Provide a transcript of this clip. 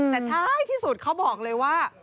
แต่ท้ายที่สุดเขาบอกเลยว่า